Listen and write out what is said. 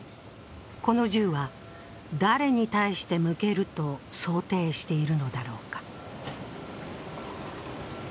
この銃は誰に対して向けると想定しているのだろうか。